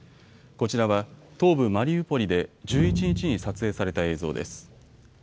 こちらは東部マリウポリで１１日に撮影された映像です。